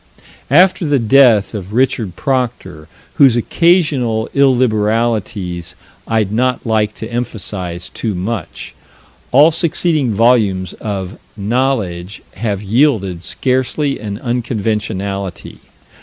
After the death of Richard Proctor, whose occasional illiberalities I'd not like to emphasize too much, all succeeding volumes of Knowledge have yielded scarcely an unconventionality.